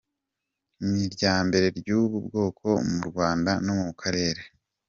Ni iryambere ry’ubu bwoko mu Rwanda no mu karere.